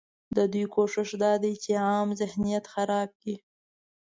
ددوی کوشش دا دی چې عام ذهنیت خراب کړي